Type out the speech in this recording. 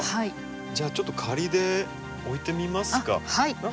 じゃあちょっと仮で置いてみますか。